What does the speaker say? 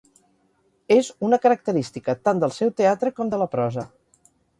És una característica tant del seu teatre com de la prosa.